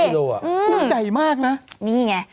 กุ้งใหญ่มากนะ